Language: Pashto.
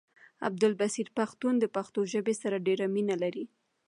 عبدالبصير پښتون د پښتو ژبې سره ډيره مينه لري